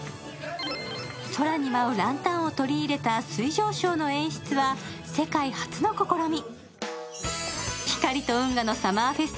空に舞うランタンを取り入れた水上ショーの演出は世界初の試み。